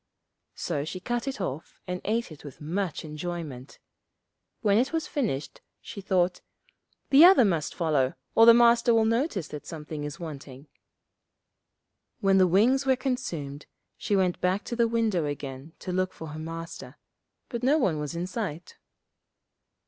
So she cut it off and ate it with much enjoyment. When it was finished, she thought, 'The other must follow, or the Master will notice that something is wanting.' When the wings were consumed she went back to the window again to look for her Master, but no one was in sight.